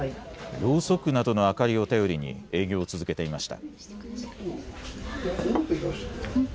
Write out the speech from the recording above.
ろうそくなどの明かりを頼りに、営業を続けていました。